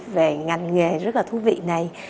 về ngành nghề rất là thú vị này